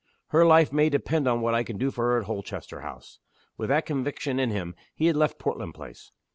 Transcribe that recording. "Her life may depend on what I can do for her at Holchester House!" With that conviction in him, he had left Portland Place.